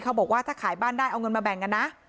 บอกว่าถ้าขายบ้านได้เอาเงินมาแบ่งกันนะ